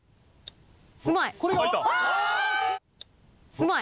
うまい！